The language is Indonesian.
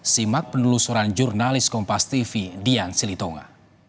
simak penelusuran jurnalis kompas tv dian silitonga